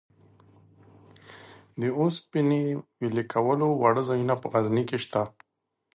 د اوسپنې ویلې کولو واړه ځایونه په غزني کې شته.